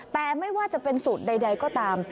แต่ไม่ว่าจะเป็นสูตรใดก็ตาม